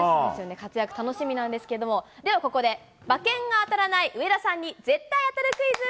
活躍楽しみなんですけど、ではここで、馬券が当たらない上田さんに、絶対当たるクイズ。